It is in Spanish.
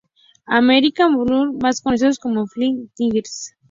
American Volunteer Group, más conocidos como Flying Tigers.